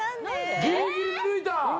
ギリギリで抜いた！